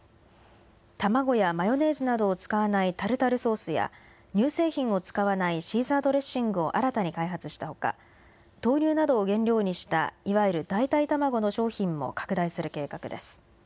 卵やマヨネーズなどを使わないタルタルソースや、乳製品を使わないシーザードレッシングを新たに開発したほか、豆乳などを原料にしたいわゆる代替卵の商品も拡大する計画です。